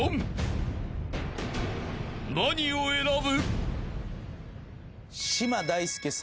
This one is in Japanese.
［何を選ぶ？］